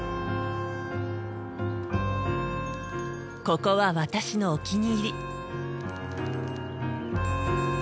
ここは私のお気に入り。